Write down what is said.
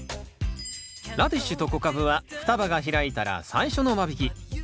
ラディッシュと小カブは双葉が開いたら最初の間引き。